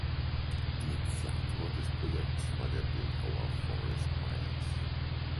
Initiator des Projekts war der Bildhauer Forrest Myers.